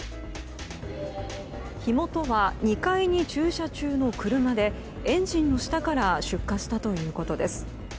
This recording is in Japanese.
火元は２階に駐車中の車でエンジンの下から出火したということです。